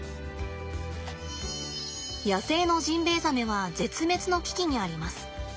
野生のジンベエザメは絶滅の危機にあります。